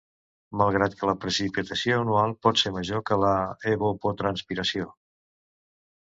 Malgrat que la precipitació anual pot ser major que l'evapotranspiració.